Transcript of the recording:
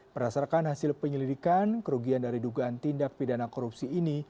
berdasarkan hasil penyelidikan kerugian dari dugaan tindak pidana korupsi ini